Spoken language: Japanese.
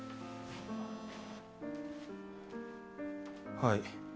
はい。